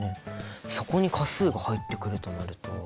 そこに価数が入ってくるとなると。